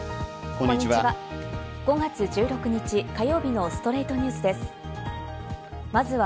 こんにちは。